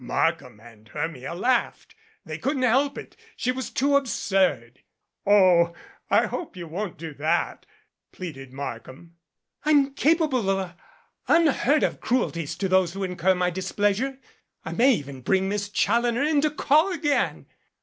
Markham and Hermia laughed. They couldn't help it. She was too absurd. "Oh, I hope you won't do that," pleaded Markham. "I'm capable of unheard of cruelties to those who incur my displeasure. I may even bring Miss Challoner in to call again."